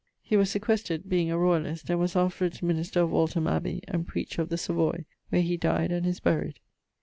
He was sequestred, being a royalist, and was afterwards minister of Waltham Abbey, and preacher of the Savoy, where he died, and is buryed.